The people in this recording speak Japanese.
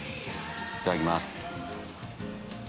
いただきます。